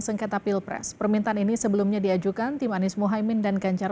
sengketa pilpres permintaan ini sebelumnya diajukan tim anies mohaimin dan ganjar